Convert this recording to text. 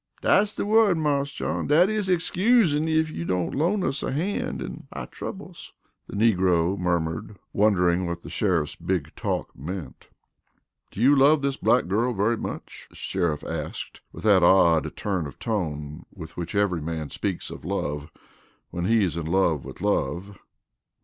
"Dat's de word, Marse John dat is, excusin' ef you don't loant us a hand in our troubles," the negro murmured, wondering what the sheriff's big talk meant. "Do you love this black girl very much?" the sheriff asked with that odd turn of tone with which every man speaks of love when he is in love with love.